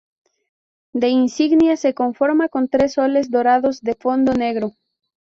Su insignia se conforma con tres Soles Dorados de Fondo Negro.